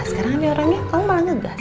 sekarang ini orangnya kamu malah ngegas